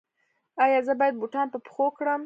ایا زه باید بوټان په پښو کړم؟